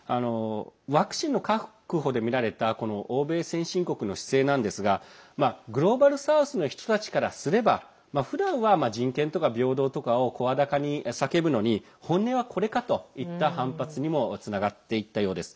ワクチンの確保でみられた欧米先進国の姿勢なんですがグローバル・サウスの人たちからすればふだんは人権とか平等とかを声高に叫ぶのに本音はこれかといった反発にもつながっていったようです。